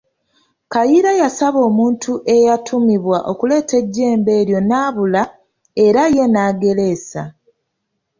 Kayiira yabasaba omuntu eyatumibwa okuleeta ejjembe eryo n'abula, era ye n'agereesa.